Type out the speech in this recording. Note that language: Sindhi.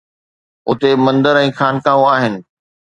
اتي مندر ۽ خانقاهون آهن